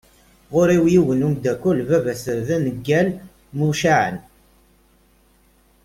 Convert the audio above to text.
Ɣur-i yiwen umdakel baba-s d aneggal mucaεen.